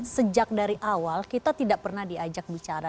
sejak dari awal kita tidak pernah diajak bicara